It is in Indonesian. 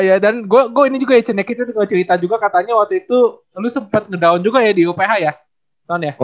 ya ya dan gue ini juga ya cendek kita juga cerita juga katanya waktu itu lu sempet ngedown juga ya di uph ya